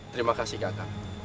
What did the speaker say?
terima kasih kakak